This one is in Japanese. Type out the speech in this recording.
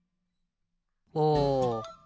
お！